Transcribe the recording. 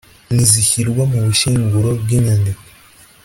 n izishyirwa mu bushyinguro bw inyandiko